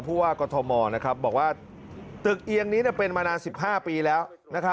ผู้ว่ากรทมบอกว่าตึกเอียงนี้เป็นมานาน๑๕ปีแล้ว